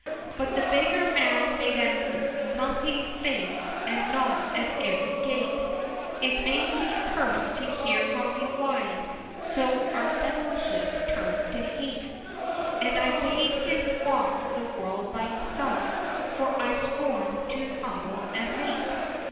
XIX. But the beggar man made a mumping face, And knocked at every gate: It made me curse to hear how he whined, So our fellowship turn'd to hate, And I bade him walk the world by himself, For I scorn'd so humble a mate!